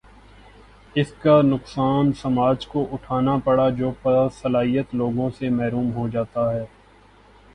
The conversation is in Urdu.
اس کا نقصان سماج کو اٹھا نا پڑتا ہے جو باصلاحیت لوگوں سے محروم ہو جا تا ہے۔